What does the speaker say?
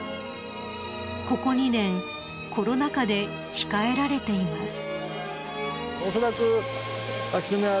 ［ここ２年コロナ禍で控えられています］